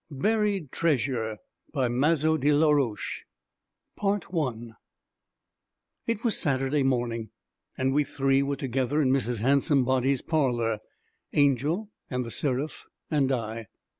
BURIED TREASURE BY MAZO DE LA ROCHE I IT was Saturday morning, and we three were together in Mrs. Handsomebody's parlor Angel, and The Seraph, and I.